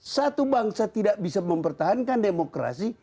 satu bangsa tidak bisa mempertahankan demokrasi